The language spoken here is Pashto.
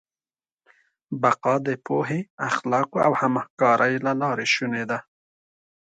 بقا د پوهې، اخلاقو او همکارۍ له لارې شونې ده.